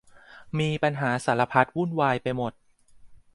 มีปัญหาสารพันวุ่นวายไปหมด